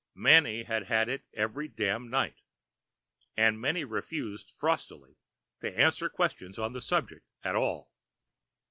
Many had had it every damned night. And many refused frostily to answer questions on the subject at all.